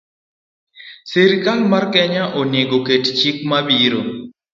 Sirkal mar Kenya onego oket chik ma biro